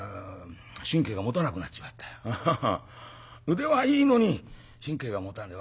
腕はいいのに神経がもたねえ。